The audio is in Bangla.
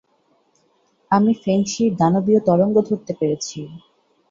আমি ফেংশির দানবীয় তরঙ্গ ধরতে পেরেছি।